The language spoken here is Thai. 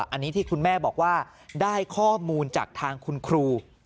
อันนี้ที่คุณแม่บอกว่าได้ข้อมูลจากทางคุณครู